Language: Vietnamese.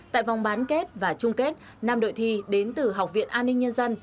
tại vòng bán kết và chung kết năm đội thi đến từ học viện an ninh nhân dân